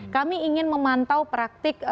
kami ingin memantau praktik